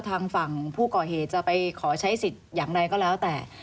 ทางฝั่งผู้ก่อเหตุจะไปขอใช้สิทธิ์อย่างไรก็แล้วแต่